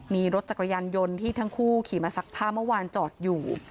มีรถจักรยานยนต์ที่ทั้งคู่ขี่มาซักผ้าเมื่อวานจอดอยู่